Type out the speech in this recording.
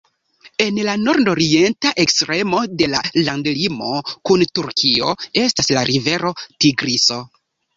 En la nordorienta ekstremo de la landlimo kun Turkio estas la rivero Tigriso.